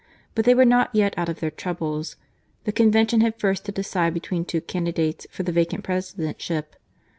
But they were not yet out of their troubles. The Convention had first to decide between two candidates for the vacant presidentship.